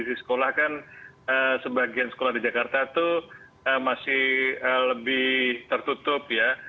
di sekolah kan sebagian sekolah di jakarta itu masih lebih tertutup ya